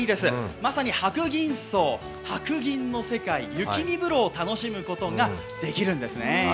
まさに白銀荘、白銀の世界、雪見風呂を楽しむことができるんですね。